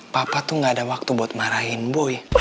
papa tuh gak ada waktu buat marahin boy